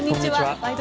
「ワイド！